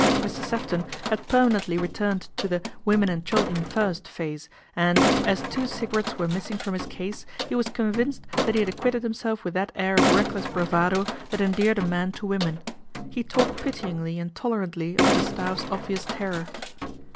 Mr. Sefton had permanently returned to the " women and children first " phase and, as two cigarettes were missing from his case, he was convinced that he had acquitted himself with that air of reckless bravado that endeared a man to women. He talked pityingly and tolerantly of Gustave's obvious terror.